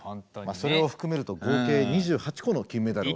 それを含めると合計２８個の金メダルを。